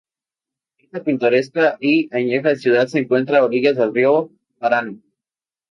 Esta pintoresca y añeja ciudad se encuentra a orillas del río Paraná.